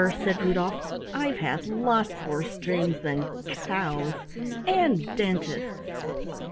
said Rudolf. "I've had lots worse dreams than cows and dentists.